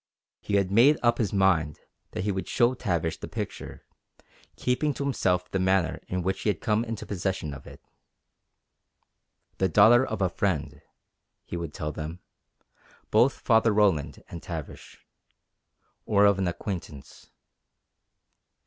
He had made up his mind that he would show Tavish the picture, keeping to himself the manner in which he had come into possession of it. The daughter of a friend, he would tell them both Father Roland and Tavish. Or of an acquaintance.